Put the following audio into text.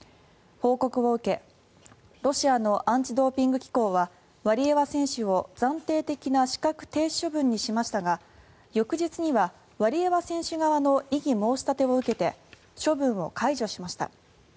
報告を受け、ロシアのアンチ・ドーピング機構はワリエワ選手を暫定的な資格停止処分にしましたが翌日にはワリエワ選手側の異議申し立てを受けて処分を解除しました。